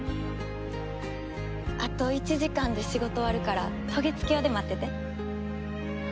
あと１時間で仕事終わるから渡月橋で待ってて。